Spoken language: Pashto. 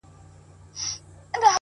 څه عجيبه جوارگر دي اموخته کړم”